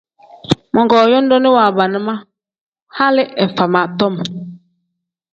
Mogoo yodooni waabana ma hali ifama tom.